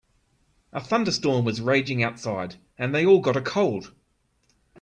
A thunderstorm was raging outside and they all got a cold.